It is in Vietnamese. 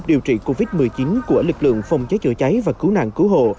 điều trị covid một mươi chín của lực lượng phòng cháy chữa cháy và cứu nạn cứu hộ